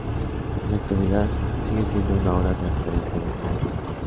En la actualidad sigue siendo una obra de referencia de esta lengua.